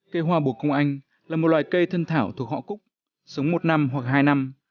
cây hoa bổ công anh là một loại cây thân thảo thuộc họ cúc sống một năm hoặc hai năm